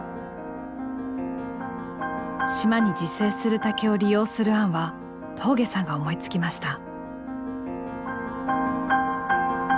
島に自生する竹を利用する案は峠さんが思いつきました。